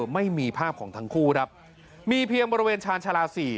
ไม่มีภาพของทั้งคู่ครับมีเพียงบริเวณชาญชาลาสี่